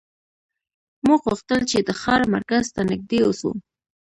موږ غوښتل چې د ښار مرکز ته نږدې اوسو